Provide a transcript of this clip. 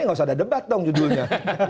nggak usah ada debat dong judulnya